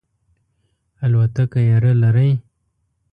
الوتکه یره لرئ؟